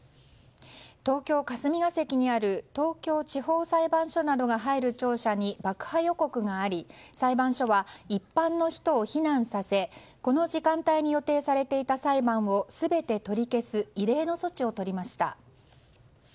東京・霞が関にある東京地方裁判所などが入る庁舎に爆破予告があり、裁判所は一般の人を避難させこの時間帯に予定されていた裁判を全て取り消す異例の措置をとりました。